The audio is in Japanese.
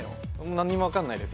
何にも分かんないです